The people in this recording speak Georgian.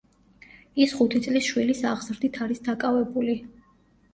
ის ხუთი წლის შვილის აღზრდით არის დაკავებული.